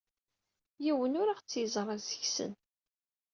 Yiwen ur aɣ-tt-yeẓra seg-sen.